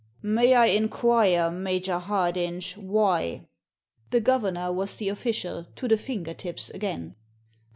" May I inquire, Major Hardinge, why ?" The governor was the official to the finger tips again.